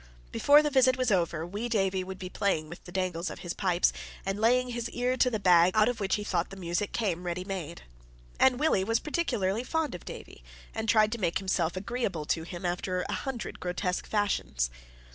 Before the visit was over, wee Davie would be playing with the dangles of his pipes, and laying his ear to the bag out of which he thought the music came ready made. And Willie was particularly fond of Davie, and tried to make himself agreeable to him after a hundred grotesque fashions.